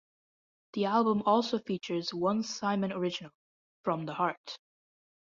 The album also features one Simon original, "From the Heart".